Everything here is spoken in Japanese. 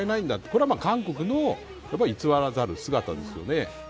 これは韓国の偽らざる姿ですよね。